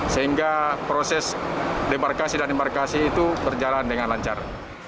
sehingga proses demarkasi dan embarkasi itu berjalan dengan lancar